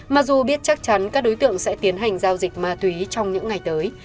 mặc dù biết chắc chắn các đối tượng sẽ tiến hành giao dịch ma túy trong những ngày tới